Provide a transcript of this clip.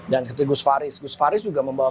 dan seperti gus faris gus faris juga membawa